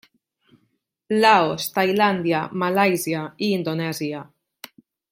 Laos, Tailàndia, Malàisia i Indonèsia.